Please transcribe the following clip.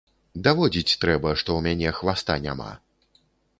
Даводзіць трэба, што ў мяне хваста няма.